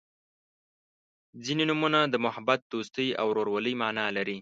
• ځینې نومونه د محبت، دوستۍ او ورورولۍ معنا لري.